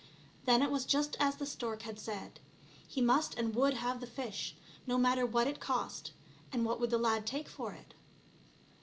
Then it was just as the stork had said. He must and would have the fish, no matter what it cost ; and what would the lad take for it